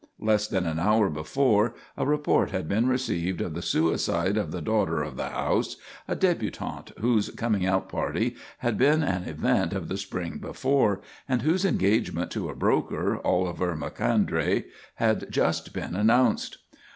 Less than an hour before a report had been received of the suicide of the daughter of the house, a débutante whose coming out party had been an event of the spring before and whose engagement to a broker, Oliver Macondray, had just been announced.